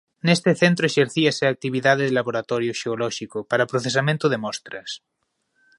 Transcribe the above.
Nese centro exercíase a actividade de laboratorio xeolóxico para procesamento de mostras.